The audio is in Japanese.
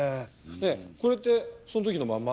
ねえこれってその時のまんま？